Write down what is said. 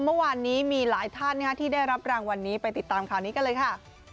เมื่อวานนี้มีหลายท่านที่ได้รับรางวัลนี้ไปติดตามข่าวนี้กันเลยค่ะ